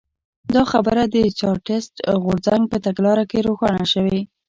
دا خبره د چارټېست غورځنګ په تګلاره کې روښانه شوې.